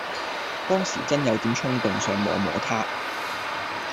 當時真有點衝動想摸摸它